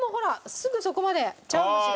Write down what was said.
すぐそこまで茶碗蒸しだ。